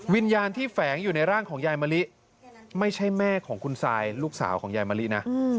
วิญญาณที่แฝงอยู่ในร่างของยายมะลิไม่ใช่แม่ของคุณซายลูกสาวของยายมะลินะ